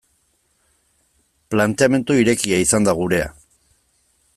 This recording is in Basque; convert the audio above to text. Planteamendu irekia izan da gurea.